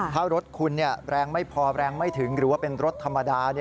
ถ้ารถคุณแรงไม่พอแรงไม่ถึงหรือว่าเป็นรถธรรมดา